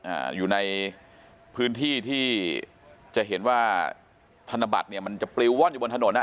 อ่าอยู่ในพื้นที่ที่จะเห็นว่าธนบัตรเนี่ยมันจะปลิวว่อนอยู่บนถนนอ่ะ